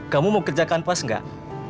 kamu mau kerja kanpas nggak